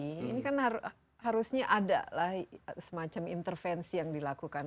ini kan harusnya ada lah semacam intervensi yang dilakukan